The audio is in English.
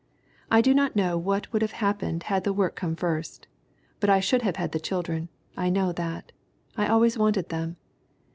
I do not know what would have happened had the work come first. But I should have had the children. I know that. I had always wanted them.